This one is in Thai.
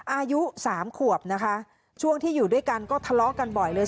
อายุสามขวบนะคะช่วงที่อยู่ด้วยกันก็ทะเลาะกันบ่อยเลย